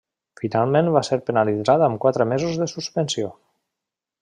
Finalment va ser penalitzat amb quatre mesos de suspensió.